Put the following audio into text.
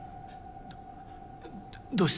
どどうして。